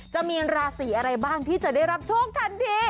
จะมีราศีอะไรบ้างที่จะได้รับโชคทันที